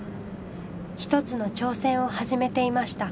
一つの挑戦を始めていました。